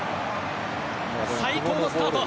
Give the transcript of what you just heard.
最高のスタート。